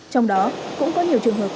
trong đó cũng có nhiều trường hợp